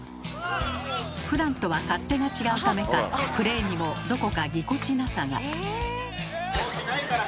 ふだんとは勝手が違うためかプレーにもどこかぎこちなさが。